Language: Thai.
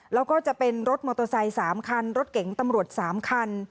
แล้วก็จะเป็นรถมอเตอร์ไซค์๓คันรถเก๋งตำรวจ๓คัน